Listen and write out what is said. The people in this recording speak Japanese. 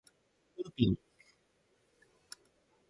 ウーピン